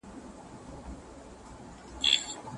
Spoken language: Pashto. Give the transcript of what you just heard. آیا یخنی تر ګرمۍ زیاتي جامې غواړي؟